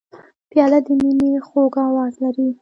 پیاله د مینې خوږ آواز لري.